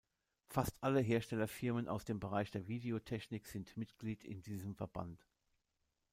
Fast alle Herstellerfirmen aus dem Bereich der Videotechnik sind Mitglied in diesem Verband.